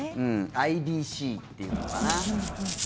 ＩＢＣっていうのかな。